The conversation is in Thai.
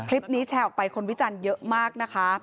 คลิปนี้แชร์ออกไปคนวิจันทร์เยอะมากนะคะ